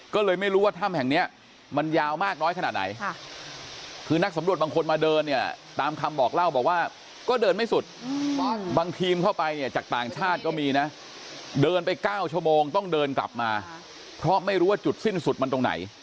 ก็เลยไม่รู้ว่าถ้ำแห่งเนี้ยมันยาวมากน้อยขนาดไหนคือนักสำรวจบางคนมาเดินเนี่ยตามคำบอกเล่าบอกว่าก็เดินไม่สุดบางทีมเข้าไปเนี่ยจากต่างชาติก็มีนะเดินไป๙ชั่วโมงต้องเดินกลับมาเพราะไม่รู้ว่าจุดสิ้นสุดมันตรงไหน